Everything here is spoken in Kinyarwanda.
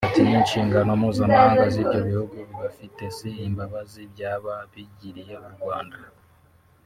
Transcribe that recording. ati “Ni inshingano mpuzamahanga z’ibyo bihugu bibafite si imbabazi byaba bigiriye u Rwanda”